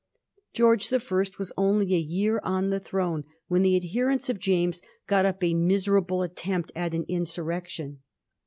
George the First was only a year on the throne when the adherents of James got up a miserable attempt at an insurrection.